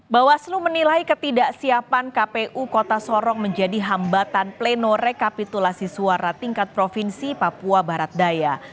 bawaslu menilai ketidaksiapan kpu kota sorong menjadi hambatan pleno rekapitulasi suara tingkat provinsi papua barat daya